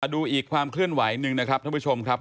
ดูอีกความเคลื่อนไหวหนึ่งนะครับท่านผู้ชมครับ